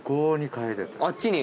あっちに？